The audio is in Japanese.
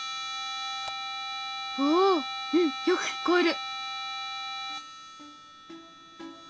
おおうんよく聞こえる！